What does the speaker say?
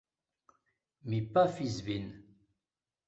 Mi pafis vin!